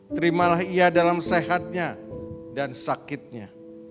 terimalah ia dalam sehatnya dan sakitnya